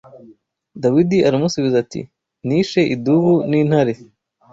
Dawidi aramusubiza ati nishe idubu n’intare